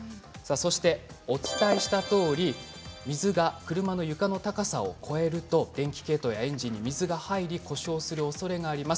そして、お伝えしたとおり水が車の床の高さを超えると電気系統やエンジンに水が入って故障するおそれがあります。